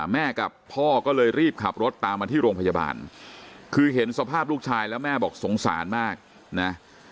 แม่กับพ่อก็เลยรีบขับรถตามมาที่โรงพยาบาลคือเห็นสภาพลูกชายแล้วแม่บอกสงสารมากนะ